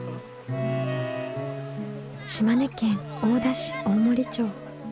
島根県大田市大森町。